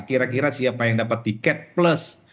kira kira siapa yang dapat tiket plus